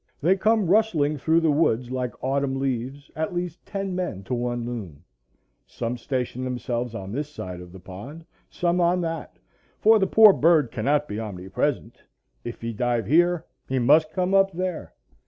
They come rustling through the woods like autumn leaves, at least ten men to one loon. Some station themselves on this side of the pond, some on that, for the poor bird cannot be omnipresent; if he dive here he must come up there.